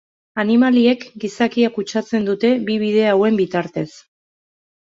Animaliek gizakia kutsatzen dute bi bide hauen bitartez.